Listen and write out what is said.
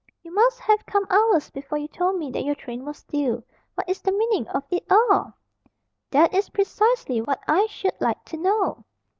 You must have come hours before you told me that your train was due. What is the meaning of it all?" "That is precisely what I should like to know."